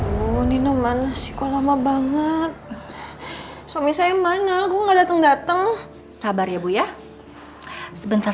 bunyi nomor psikolog banget suami saya mana gua nggak dateng dateng sabar ya bu ya sebentar